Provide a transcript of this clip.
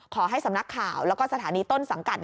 ขอให้สำนักข่าวแล้วก็สถานีต้นสังกัด